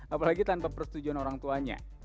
apalagi tanpa persetujuan orang tuanya